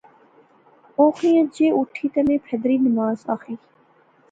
اُوخیاں جے اٹھی تہ میں پھیدری نماز آخی